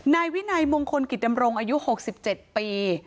นายวินัยมงคลกิจดำรงอายุ๖๗ปี